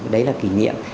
đấy là kỉ niệm